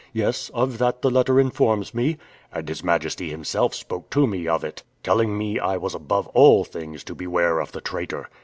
"Yes; of that the letter informs me." "And His Majesty himself spoke to me of it, telling me I was above all things to beware of the traitor."